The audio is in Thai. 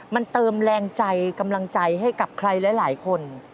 มันเติมแรงใจกำลังใจให้กับใครหลายคน